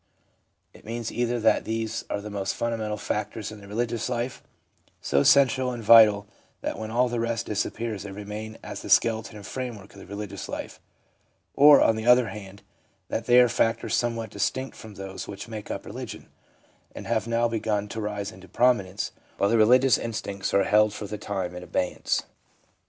It means either that these are the most fundamental factors in the re ligious life — so central and vital that when all the rest disappears they remain as the skeleton and framework of the religious life ; or, on the other hand, that they are factors somewhat distinct from those which make up religion, and have now begun to rise into prominence, while the religious instincts are held for the time in 274 The psychology of religion abeyance.